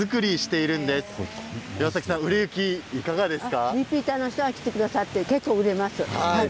いろいろな人が来てくださって結構売れます。